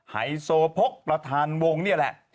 ไฮโซพกประธานวงนี่แหละ